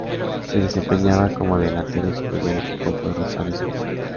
Se desempeñaba como delantero y su primer equipo fue Rosario Central.